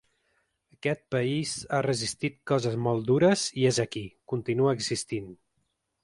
Aquest país ha resistit coses molt dures i és aquí, continua existint.